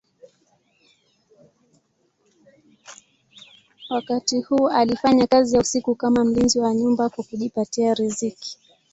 Wakati huu alifanya kazi ya usiku kama mlinzi wa nyumba kwa kujipatia riziki.